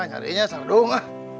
nyariinnya salah dong